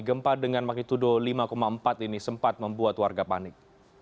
gempa dengan magnitudo lima empat ini sempat membuat warga panik